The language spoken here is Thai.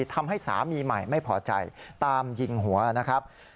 ทำให้สามีใหม่ไม่พอใจตามยิงหัวนะครับ